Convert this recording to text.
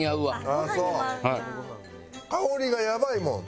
香りがやばいもん。